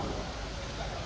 ini punya dua tujuan utama